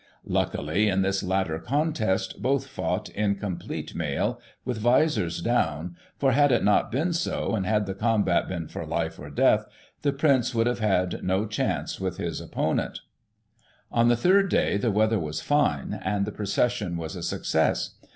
Luckily, in this latter contest, both fought in complete mail, with visors down, for had it not been so, and had the combat been for life or death, the Prince would have had no chance with his opponent On the third day the weather was fine, and the procession Digiti ized by Google io6 GOSSIP. [1839 was a success.